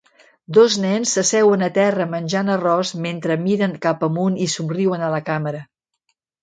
Dos nens s'asseuen a terra menjant arròs mentre miren cap amunt i somriuen a la càmera.